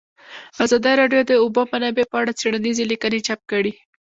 ازادي راډیو د د اوبو منابع په اړه څېړنیزې لیکنې چاپ کړي.